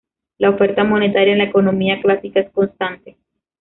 La oferta monetaria en la economía clásica es constante.